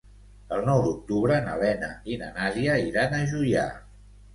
El nou d'octubre na Lena i na Nàdia iran a Juià.